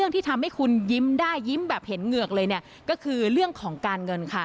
ที่ทำให้คุณยิ้มได้ยิ้มแบบเห็นเหงือกเลยเนี่ยก็คือเรื่องของการเงินค่ะ